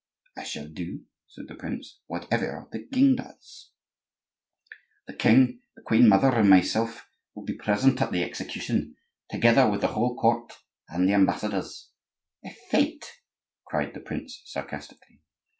"I shall do," said the prince, "whatever the king does." "The king, the queen mother, and myself will be present at the execution, together with the whole court and the ambassadors—" "A fete!" said the prince, sarcastically.